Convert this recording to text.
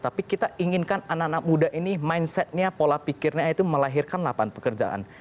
tapi kita inginkan anak anak muda ini mindsetnya pola pikirnya itu melahirkan lapangan pekerjaan